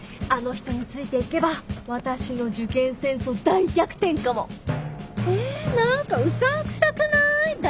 あの人についていけば私の受験戦争大逆転かも！え何かうさんくさくない？